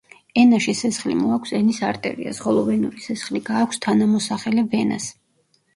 ენაში სისხლი მოაქვს ენის არტერიას, ხოლო ვენური სისხლი გააქვს თანამოსახელე ვენას.